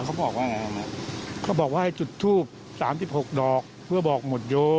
เขาบอกว่าให้จุดทูบ๓๖ดอกเพื่อบอกหมดโย